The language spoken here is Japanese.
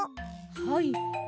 はい。